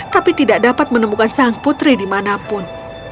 tapi tidak dapat menemukan sang putri di mana pun